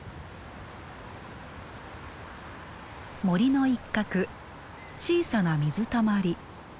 森の一角小さな水たまり。